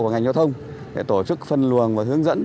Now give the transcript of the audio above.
của ngành giao thông để tổ chức phân luồng và hướng dẫn